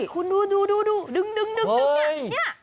คุณดูนี่